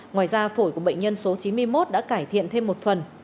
ngoài ra phổi của bệnh nhân số chín mươi một đã cải thiện thêm một phần